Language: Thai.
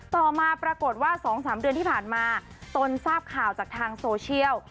ต่อมาปรากฏว่า๒๓เดือนที่ผ่านมาตนทราบข่าวจากทางโซเชียล